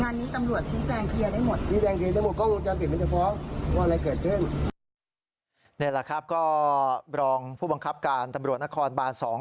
นี่แหละครับก็รองผู้บังคับการตำรวจนครบานสอง